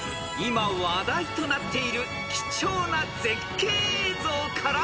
［今話題となっている貴重な絶景映像から問題］